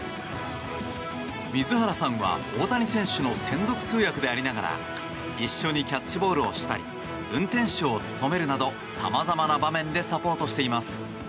水原さんは大谷選手の専属通訳でありながら一緒にキャッチボールをしたり運転手を務めるなど様々な場面でサポートしています。